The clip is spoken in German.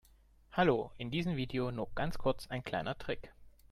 Hallo, in diesem Video nur ganz kurz ein kleiner Trick.